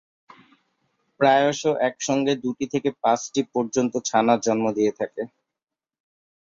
প্রায়শ একসঙ্গে দুটি থেকে পাঁচটি পর্যন্ত ছানার জন্ম দিয়ে থাকে।